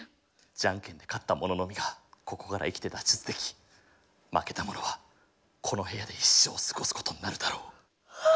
「じゃんけんで勝った者のみがここから生きて脱出でき負けた者はこの部屋で一生を過ごすことになるだろう。